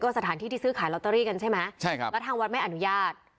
สถานที่ที่ซื้อขายลอตเตอรี่กันใช่ไหมใช่ครับแล้วทางวัดไม่อนุญาต